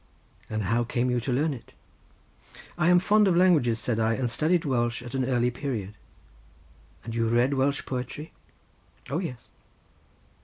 "And how came you to learn it?" "I am fond of languages," said I, "and studied Welsh at an early period." "And you read Welsh poetry?" "O yes."